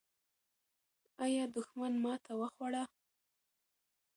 آیا دښمن ماته وخوړه؟